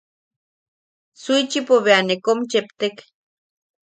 Suichipo bea ne kom cheptek.